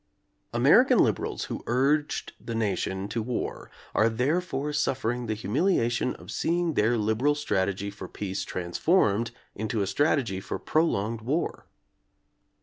American liberals who urged the nation to war are therefore suffering the humiliation of seeing their liberal strategy for peace transformed into a strategy for prolonged war.